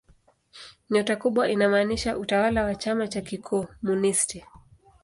Nyota kubwa inamaanisha utawala wa chama cha kikomunisti.